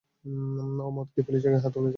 ও মদ খেয়ে পুলিশের গায়ে হাত তুলেছে।